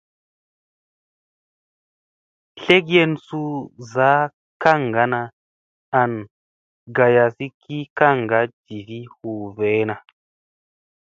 Tlekyen suu zaa kaŋgana an gayasi ki kaŋga jivi hu veena.